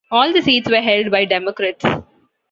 All the seats were held by Democrats.